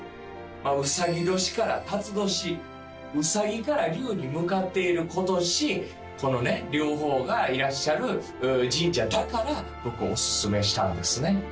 うさぎ年からたつ年兎から龍に向かっている今年このね両方がいらっしゃる神社だから僕オススメしたんですね